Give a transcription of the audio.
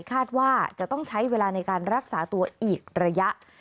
คาดว่าจะต้องใช้เวลาในการรักษาตัวอีกระยะ